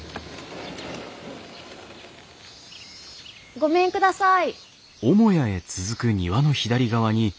ごめんください。